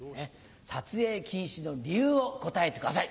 撮影禁止の理由を答えてください。